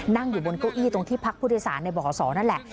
นั่งอยู่บนเก้าอี้ตรงที่พักผู้โดยสารในบ่อสอนั่นแหละ